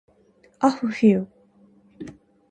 ahfuhiu